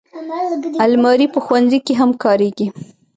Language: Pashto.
الماري په ښوونځي کې هم کارېږي